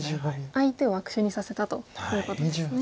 相手を悪手にさせたということですね。